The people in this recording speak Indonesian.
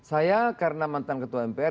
saya karena mantan ketua mpr